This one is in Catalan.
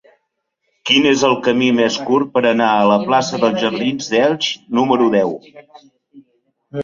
Quin és el camí més curt per anar a la plaça dels Jardins d'Elx número deu?